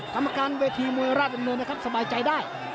กรรมการเวทีมวยราชดำเนินนะครับสบายใจได้